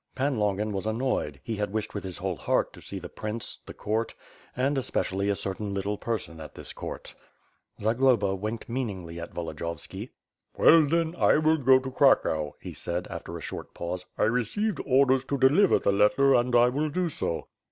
Pan Longin was annoyed; he had wished with whole heart to see the prince, the court, and especially a certain little per son at this court. Zagloba winked meaningly at Volodiyovski. "Well, then, I will go to Cracow," he said, after a short pause, "I received orders to deliver the letter and I will do so."